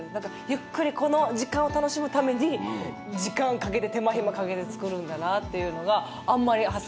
ゆっくりこの時間を楽しむために時間かけて手間暇かけて造るんだなっていうのがあんまり発想になかったです。